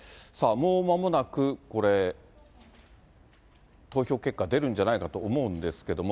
もうまもなくこれ、投票結果、出るんじゃないかと思うんですけれども。